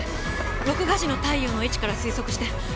録画時の太陽の位置から推測して窓は南向き。